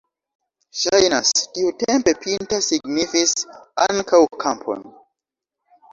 Ŝajnas, tiutempe pinta signifis ankaŭ kampon.